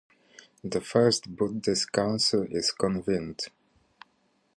The First Buddhist council is convened.